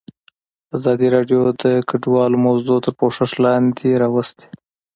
ازادي راډیو د کډوال موضوع تر پوښښ لاندې راوستې.